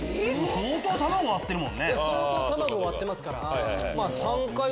相当卵割ってますから。